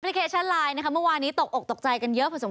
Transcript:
แอปพลิเคชันไลน์เมื่อวานนี้ตกอกตกใจกันเยอะพอสมควร